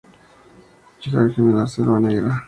Georgen en la Selva Negra.